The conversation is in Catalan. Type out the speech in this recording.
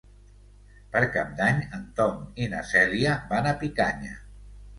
Per Cap d'Any en Tom i na Cèlia van a Picanya.